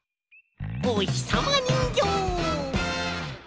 おひさまにんぎょう！